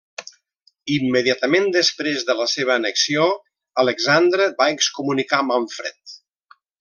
Immediatament després de la seva annexió Alexandre va excomunicar Manfred.